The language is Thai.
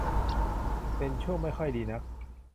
เป็นช่วงไม่ค่อยดีนัก